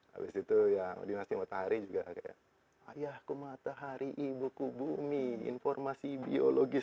habis itu ya dinasti matahari juga kayak ayahku matahari ibuku bumi informasi biologis